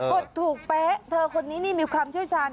กดถูกแป๊ะคนนี้นี่คล้ามเชียวชาญ